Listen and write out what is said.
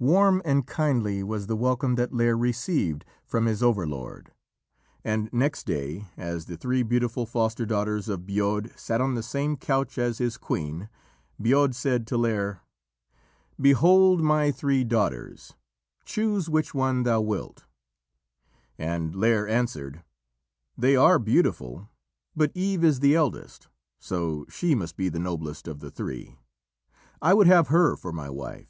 Warm and kindly was the welcome that Lîr received from his overlord, and next day, as the three beautiful foster daughters of Bodb sat on the same couch as his queen, Bodb said to Lîr: "Behold my three daughters. Choose which one thou wilt." And Lîr answered, "They are all beautiful, but Eve is the eldest, so she must be the noblest of the three. I would have her for my wife."